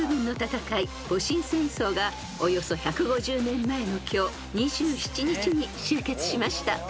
戊辰戦争がおよそ１５０年前の今日２７日に終結しました］